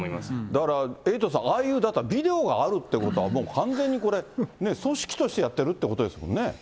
だから、エイトさん、ああいうビデオがあるということは、もう完全にこれ、組織としてやってるってことですもんね。